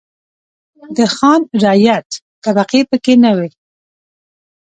د خان-رعیت طبقې پکې نه وې.